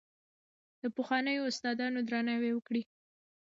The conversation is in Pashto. د پخوانیو استادانو درناوی وکړئ.